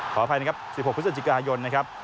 ขออภัยนะครับ๑๖พฤศจิกายนนะครับ